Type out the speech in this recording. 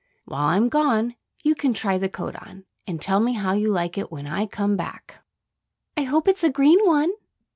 While I'm gone you can try the coat on, and tell me how you like it when I come back." "I hope it's a green one!"